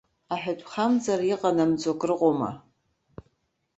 Аҳәатәхамҵара иҟанамҵо акрыҟоума!